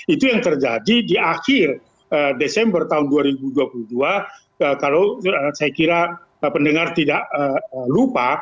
itu yang terjadi di akhir desember tahun dua ribu dua puluh dua kalau saya kira pendengar tidak lupa